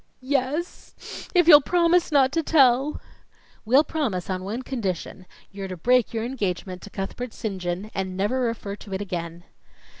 "Yes if you'll promise not to tell." "We'll promise on one condition you're to break your engagement to Cuthbert St. John, and never refer to it again."